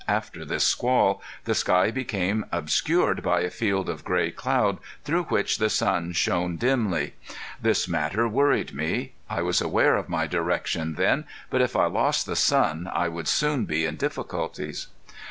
After this squall the sky became obscured by a field of gray cloud through which the sun shone dimly. This matter worried me. I was aware of my direction then, but if I lost the sun I would soon be in difficulties.